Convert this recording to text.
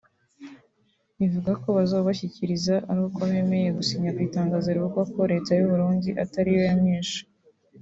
ivuga ko bazawubashyikiriza ari uko bemeye gusinya ku itangazo rivuga ko Leta y’u Burundi atari yo yamwishe